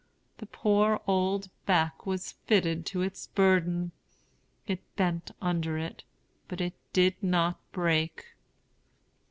The poor old back was fitted to its burden. It bent under it, but did not break.